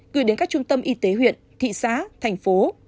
gửi đến các trung tâm y tế huyện thị xã thành phố